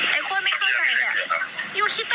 ยูคิดอะไรของยูอยู่อ่ะ